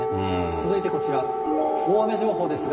続いてこちら、大雨情報ですが。